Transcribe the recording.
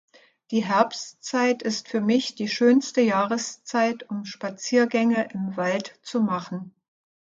Die Herbstzeit ist für mich die schönste Jahreszeit, um Spaziergänge im Wald zu machen.